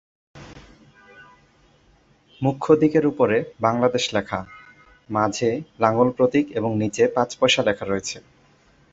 মূখ্য দিকের উপরে বাংলাদেশ লেখা, মাঝে লাঙল প্রতীক এবং নিচে পাঁচ পয়সা লেখা রয়েছে।